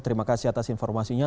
terima kasih atas informasinya